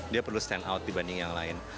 dia perlu stand out dibanding yang lain